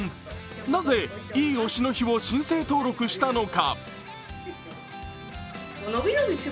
なぜ、いい推しの日を申請登録したのか。